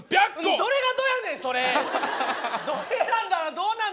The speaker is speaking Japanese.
どれがどやねん！